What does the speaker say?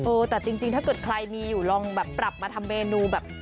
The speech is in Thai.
แต่จริงถ้าเกิดใครมีอยู่ลองแบบปรับมาทำเมนูแบบ